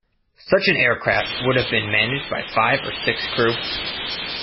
Such an aircraft would have been managed by five or six crew.